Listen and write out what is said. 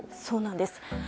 そうなんです。